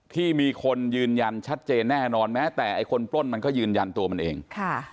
ที่มีคนยืนยันชัดเจนแน่นอนแม้แต่ไอ้คนปล้นมันก็ยืนยันตัวมันเอง